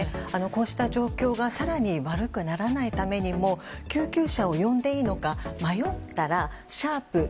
こうした状況が更に悪くならないためにも救急車を呼んでいいのか迷ったら＃